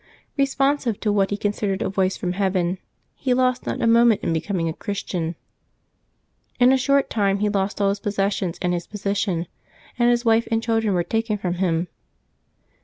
Eesponsive to what he considered a voice from heaven, he lost not a moment in becoming a Christian. In a short time he lost all his pos sessions and his position, and his wife and children were taken from him.